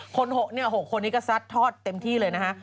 คน๖เนี่ย๖คนนี้ก็สัดทอดเต็มที่เลยนะฮะ